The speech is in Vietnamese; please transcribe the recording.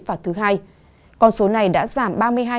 và thứ hai còn số này đã giảm